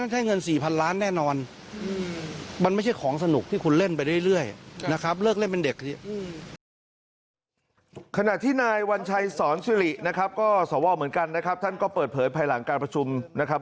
ที่ผมเลยใช้เพื่อเราใช้เป็นอาหารทั้งหมด